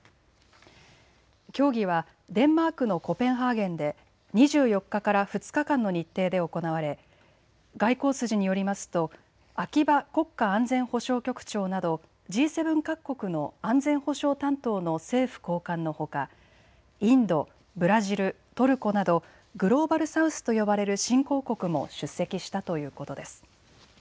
協議はデンマークのコペンハーゲンで２４日から２日間の日程で行われ外交筋によりますと秋葉国家安全保障局長などＧ７各国の安全保障担当の政府高官のほかインド、ブラジル、トルコなどグローバル・サウスと呼ばれる新興国も出席したということです。